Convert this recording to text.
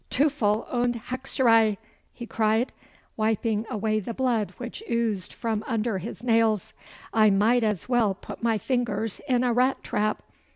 'Teufel und hexerei!' he cried, wiping away the blood which oozed from under his nails, 'I might as well put my fingers in a rat trap.